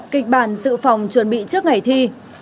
kịch bản dự phòng chuẩn bị trước ngày thi